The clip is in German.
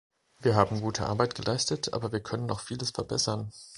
Wir haben gute Arbeit geleistet, aber wir können noch vieles verbessern.